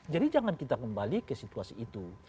jadi jangan kita kembali ke situasi itu